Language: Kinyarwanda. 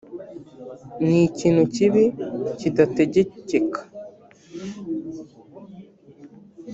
ni ikintu kibi kidategekeka